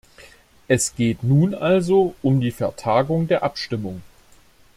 Es geht nun also um die Vertagung der Abstimmung.